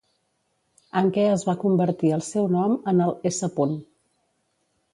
En què es va convertir el seu nom en el s.